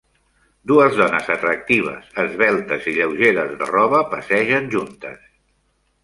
Dues dones atractives, esveltes i lleugeres de roba passegen juntes.